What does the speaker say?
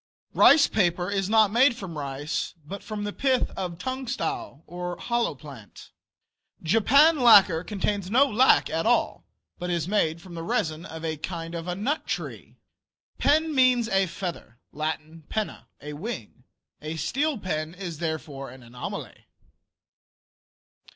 Rice paper is not made from rice, but from the pith of Tungtsau, or hollowplant. Japan lacquer contains no lac at all, but is made from the resin of a kind of nut tree. Pen means a feather. (Latin. "penna," a wing.) A steel pen is therefore an anomaly.